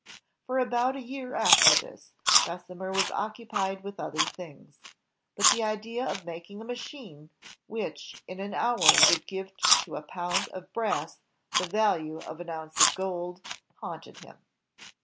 For about a year after this, Bessemer was occupied with other things. But the idea of making a machine which in an hour would give to a pound of brass the value of an ounce of gold haunted him.